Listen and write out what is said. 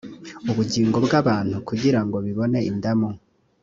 ubugingo bw abantu kugira ngo bibone indamu